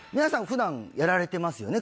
普段やられてますよね？